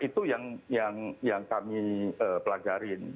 itu yang kami pelajarin